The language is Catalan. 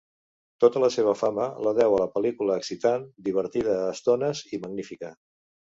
Tota la seva fama, la deu a la pel·lícula excitant, divertida a estones i magnífica.